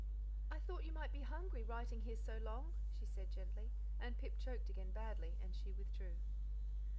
"I thought you might be hungry writing here so long," she said gently; and Pip choked again badly, and she withdrew.